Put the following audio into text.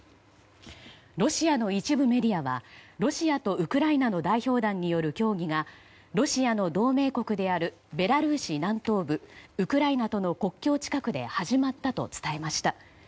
ロシアの一部メディアはロシアとウクライナの代表団による協議がロシアの同盟国であるベラルーシ南東部ウクライナとの国境近くで始まったと伝えました。